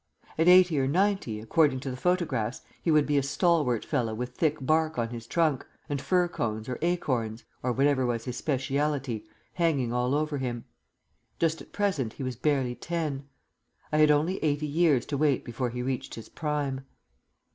At eighty or ninety, according to the photographs, he would be a stalwart fellow with thick bark on his trunk, and fir cones or acorns (or whatever was his speciality) hanging all over him. Just at present he was barely ten. I had only eighty years to wait before he reached his prime.